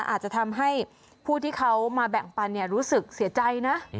อาจจะทำให้ผู้ที่เขามาแบ่งปันรู้สึกเสียใจนะ